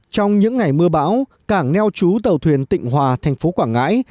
trong những ngày mưa bão cảng neo chú tàu thuyền tịnh hòa thành phố quảng ngãi